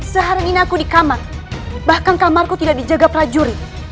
sehari ini aku di kamar bahkan kamarku tidak dijaga prajurit